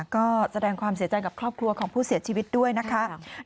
ก็แสดงความเสียใจกับครอบครัวของผู้เสียชีวิตด้วยนะคะ